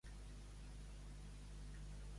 A ca teva tens ses feines!